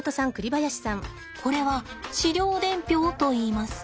これは飼料伝票といいます。